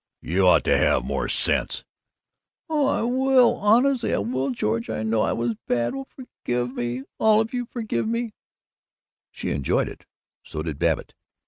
You ought to have more sense " "Oh, I will, honestly, I will, George. I know I was bad. Oh, forgive me, all of you, forgive me " She enjoyed it. So did Babbitt.